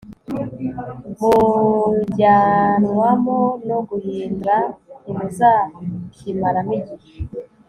mujyanwamo no guhind ra ntimuzakimaramo igihe